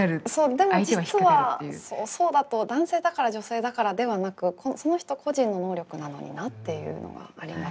でも実はそうだと男性だから女性だからではなくその人個人の能力なのになっていうのはありますね。